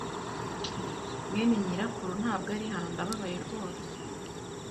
mwene nyirakuru ntabwo ari hano, ndababaye rwose.